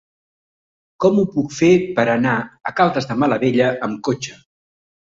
Com ho puc fer per anar a Caldes de Malavella amb cotxe?